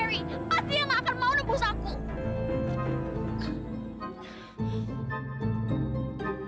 pasti dia gak akan mau nunggu usahaku